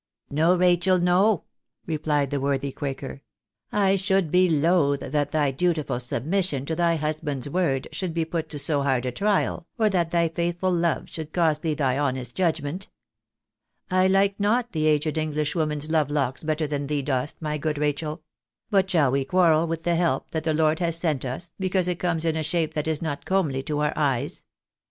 No, Rachel, no," replied the worthy quaker ;" I should be loath that thy dutiful submission to thy husband's word should be put to so hard a trial, or that thy faithful love should cost thee thy honest judgment. I like not the aged Englishwoman's love locks better than thee dost, my good Rachel ; but shall we quarrel with the help that the Lord has sent us, because it comes in a shape that is not comely to our eyes